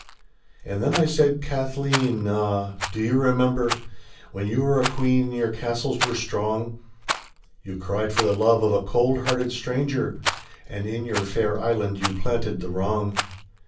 And then I said: ^^Kathleen, ah! do you remember When you were a queen, and your castles were strong, You cried for the love of a cold hearted stranger. And in your fair island you planted the wrong?"